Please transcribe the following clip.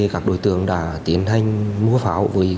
các đối tượng đã tiến hành mua pháo